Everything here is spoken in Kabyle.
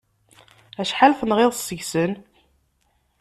Acḥal tenɣiḍ seg-sen?